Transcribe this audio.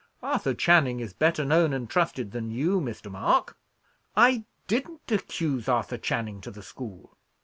Arthur Channing is better known and trusted than you, Mr. Mark." "I didn't accuse Arthur Channing to the school.